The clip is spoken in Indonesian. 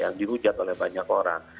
yang dirujat oleh banyak orang